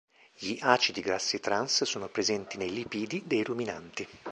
Gli acidi grassi trans sono presenti nei lipidi dei ruminanti.